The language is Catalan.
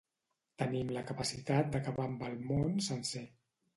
Tenim la capacitat d'acabar amb el món sencer.